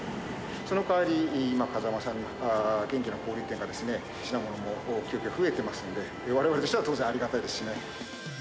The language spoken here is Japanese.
そのかわり、かざまさんとか、元気な小売り店が品物も増えていますので、われわれとしては当然ありがたいですね。